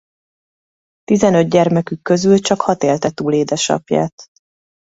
Tizenöt gyermekük közül csak hat élte túl édesapját.